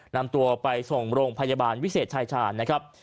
นำตัวไปส่งโรงพยาบาลวิเศษชายชาญนะครับ